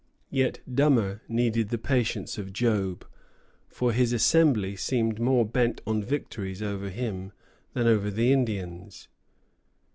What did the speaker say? Yet Dummer needed the patience of Job; for his Assembly seemed more bent on victories over him than over the Indians.